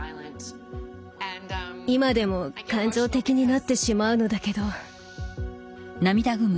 今でも感情的になってしまうのだけど。